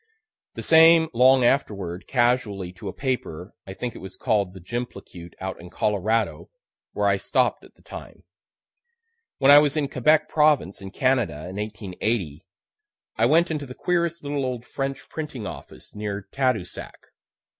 The same long afterward, casually, to a paper I think it was call'd the "Jimplecute" out in Colorado where I stopp'd at the time. When I was in Quebec province, in Canada, in 1880, I went into the queerest little old French printing office near Tadousac.